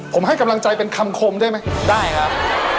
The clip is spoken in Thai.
ผมให้กำลังใจเป็นคำคมได้ไหมได้ครับ